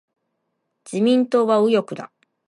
自民党は右翼だ。